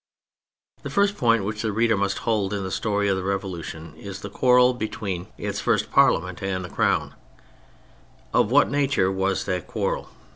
The first point which the reader must hold in the story of the Revolution is the quarrel between its first Parliament and the Crown, Of what nature was that quarrel